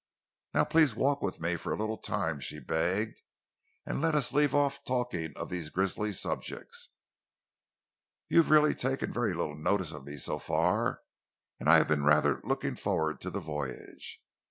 "Now please walk with me for a little time," she begged, "and let us leave off talking of these grizzly subjects. You've really taken very little notice of me so far, and I have been rather looking forward to the voyage.